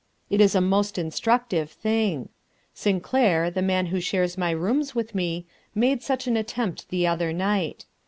It is a most instructive thing. Sinclair, the man who shares my rooms with me, made such an attempt the other night.